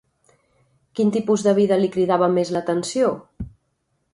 Quin tipus de vida li cridava més l'atenció?